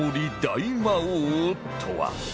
大魔王とは？